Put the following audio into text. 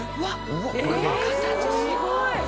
形すごい。